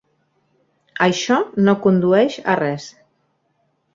Això no condueix a res.